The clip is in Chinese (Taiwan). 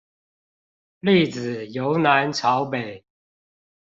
粒子由南朝北